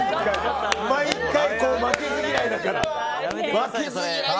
負けず嫌いだから。